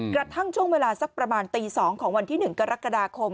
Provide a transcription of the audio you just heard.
กระทั่งช่วงเวลาสักประมาณตี๒ของวันที่๑กรกฎาคม